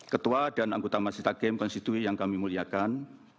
ketua dan anggota masjid hakem konstitu yang kami muliakan